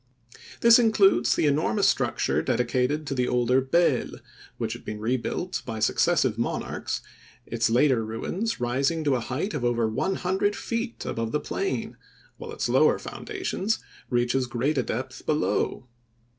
This includes the enormous structure dedicated to the older Bel, which had been rebuilt by successive monarchs, its later ruins rising to a height of over one hundred feet above the plain, while its lower foundations reach as great a depth below.